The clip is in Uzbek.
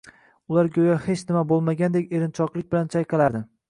Ular go`yo hech nima bo`lmagandek erinchoqlik bilan chayqalardi